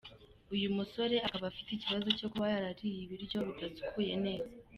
Uyu musore akaba afite ikibazo cyo kuba yarariye ibiryo bidasukuye neza.